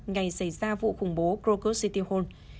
ngày xảy ra vụ khủng bố krokus sitihol